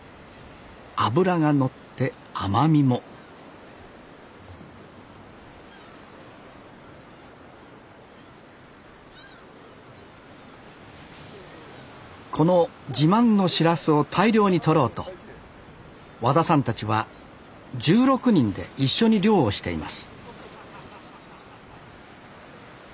脂がのって甘みもこの自慢のシラスを大量に取ろうと和田さんたちは１６人で一緒に漁をしています